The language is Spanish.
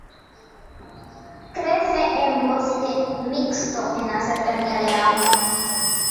Crece en bosque mixto en la cercanía de agua.